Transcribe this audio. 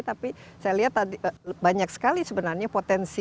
tapi saya lihat tadi banyak sekali sebenarnya potensi